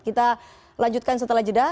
kita lanjutkan setelah jeda